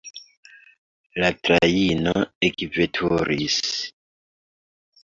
La trajno ekveturis.